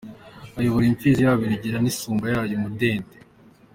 Ayobora imfizi yabo Rugira n’isumba yayo Mudende.